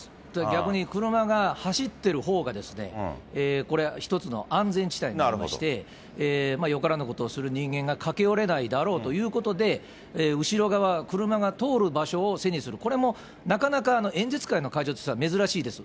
逆に車が走ってるほうが、これ、一つの安全地帯になりまして、よからぬことをする人間が駆け寄れないだろうということで、後ろ側、車が通る場所を背にする、これもなかなか演説会の会場としたら珍しいです。